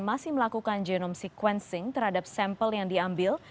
masih melakukan genome sequencing terhadap sampel yang diambil